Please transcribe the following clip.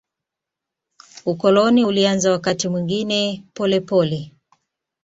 Ukoloni ulianza wakati mwingine polepole.